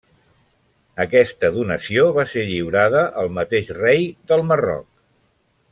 Aquesta donació va ser lliurada el mateix rei del Marroc.